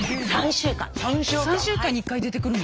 ３週間に１回出てくるんだ。